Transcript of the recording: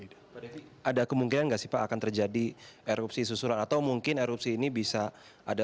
berarti ada kemungkinan nggak sih pak akan terjadi erupsi susulan atau mungkin erupsi ini bisa ada